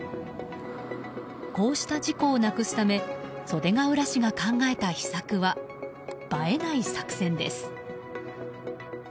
こうした事故をなくすため袖ケ浦市が考えた秘策は映えない作戦です。